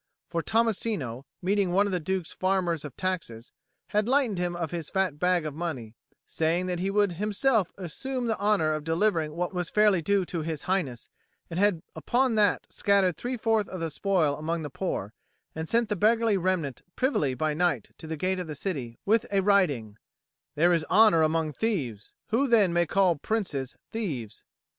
For Tommasino, meeting one of the Duke's farmers of taxes, had lightened him of his fat bag of money, saying that he would himself assume the honour of delivering what was fairly due to His Highness, and had upon that scattered three fourths of the spoil among the poor, and sent the beggarly remnant privily by night to the gate of the city, with a writing, "There is honour among thieves; who, then, may call Princes thieves?"